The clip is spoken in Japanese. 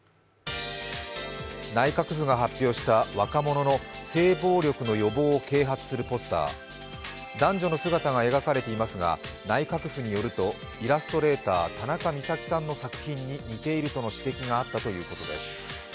内閣府が発表した若者の性暴力の予防を啓発するポスター男女の姿が描かれていますが内閣府によると、イラストレーターたなかみさきさんの作品に似ているとの指摘があったということです。